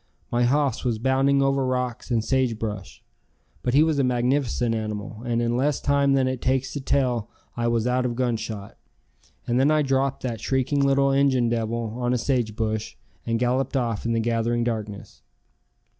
My hoss was bounding over rocks and sage brush. But he was a magnificent animal and in less time than it takes to tell I was out of gunshot, and then I dropped that shrieking little Injun devil on a sage bush and galloped off in the gathering darkness.